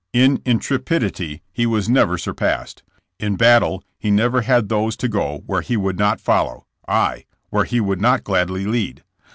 In intrepidity he was never sur passed. In battle he never had those to go where he would not follow, aye, where he would not gladly lead.